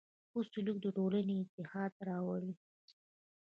ښه سلوک د ټولنې اتحاد راوړي.